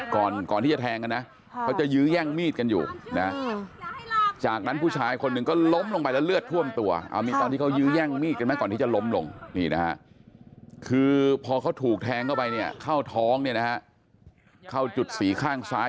คือพอเขาถูกแทงเข้าไปเข้าท้องเข้าจุดสีข้างซ้าย